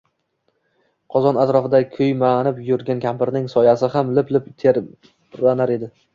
qozon atrofida kuymanib yurgan kampirning soyasi ham lip-lip tebranar edi.